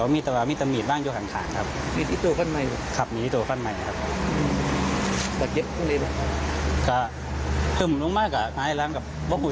มีตัวฟันใหม่ครับ